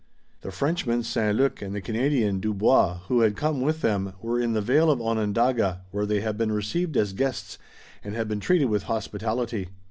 The Frenchman, St. Luc, and the Canadian, Dubois, who had come with them, were in the vale of Onondaga, where they had been received as guests, and had been treated with hospitality.